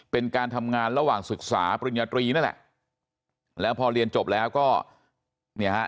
เป็นการทำงานระหว่างศึกษาปริญญาตรีนั่นแหละแล้วพอเรียนจบแล้วก็เนี่ยฮะ